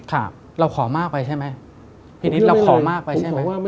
ครับเราขอมากไปใช่ไหมพี่นิดเราขอมากไปใช่ไหม